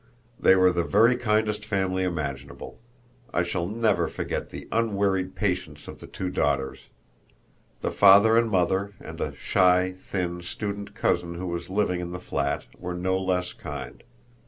They were the very kindest family imaginable. I shall never forget the unwearied patience of the two daughters. The father and mother, and a shy, thin, student cousin who was living in the flat, were no less kind.